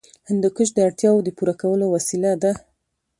هندوکش د اړتیاوو د پوره کولو وسیله ده.